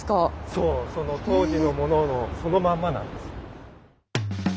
そうその当時のもののそのまんまなんです。